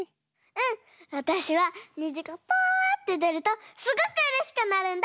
うんわたしはにじがパッてでるとすごくうれしくなるんだ。